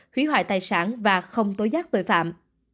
hủy hoại tài sản và không tối giác tội phạm